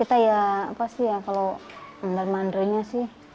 tapi kalau bantuan mandri